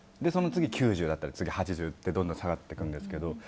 その次９０、８０ってどんどん下がっていくんですけど